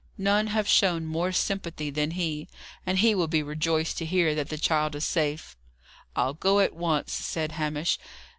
"None have shown more sympathy than he, and he will be rejoiced to hear that the child is safe." "I'll go at once," said Hamish.